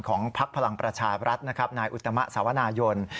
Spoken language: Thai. พักพลังประชาบรัฐนะครับนายอุตมะสาวนายน